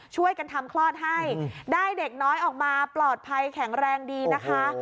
ช่วยกันทำคลอดให้ได้เด็กน้อยออกมาปลอดภัยแข็งแรงดีนะคะ